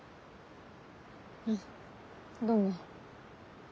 あっどうも。